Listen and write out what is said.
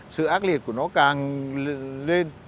sự ác liệt của nó càng lên